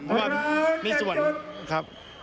เพราะว่ามีส่วนครับ